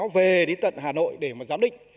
về đến tận hà nội để mà giám định